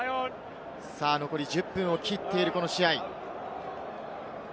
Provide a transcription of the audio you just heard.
残り１０分を切っているこの試合。